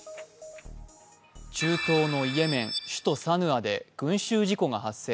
中東のイエメン首都サヌアで群集事故が発生。